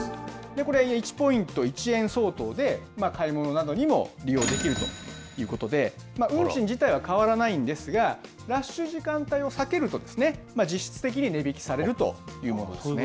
これ、１ポイント１円相当で、買い物などにも利用できるということで、運賃自体は変わらないんですが、ラッシュ時間帯を避けると、実質的に値引きされるというものですね。